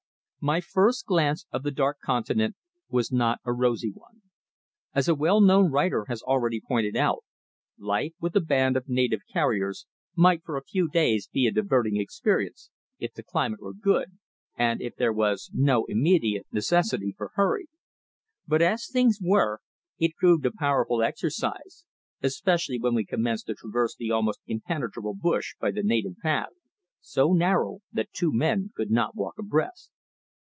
My first glimpse of the "Dark Continent" was not a rosy one. As a well known writer has already pointed out, life with a band of native carriers might for a few days be a diverting experience if the climate were good and if there was no immediate necessity for hurry. But as things were it proved a powerful exercise, especially when we commenced to traverse the almost impenetrable bush by the native path, so narrow that two men could not walk abreast.